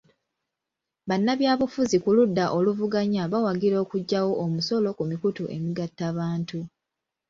Bannabyabufuzi ku ludda oluvuganya bawagira okuggyawo omusolo ku mikutu emigattabantu.